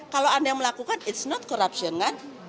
kalau anda yang melakukan it's not corruption kan